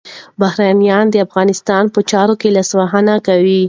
بهرنیان د افغانستان په چارو کي لاسوهنه کوي.